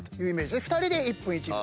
２人で１分１秒。